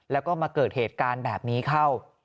แล้วก็มาเกิดเหตุการณ์แบบนี้เข้า